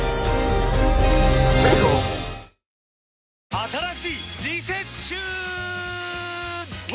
新しいリセッシューは！